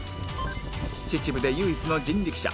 秩父で唯一の人力車